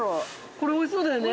これ美味しそうだよね。